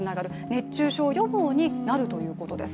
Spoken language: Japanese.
熱中症予防になるということです。